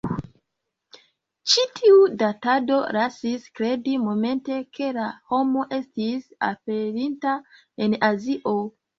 Ĉi tiu datado lasis kredi momente, ke la homo estis aperinta en Azio.